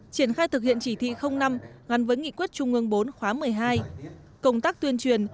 triển khai thực hiện chỉ thị năm gắn với nghị quyết trung ương bốn khóa một mươi hai công tác tuyên truyền